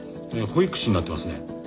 「保育士」になってますね。